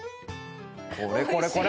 これこれこれ！